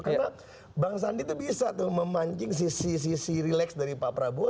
karena bang sandi tuh bisa tuh memancing sisi sisi rileks dari pak prabowo